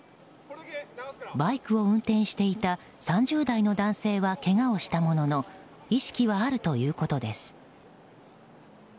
バイクを運転していた３０代の男性はけがをしたものの意識はあるということです。